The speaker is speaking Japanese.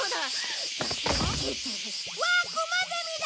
わあクマゼミだ！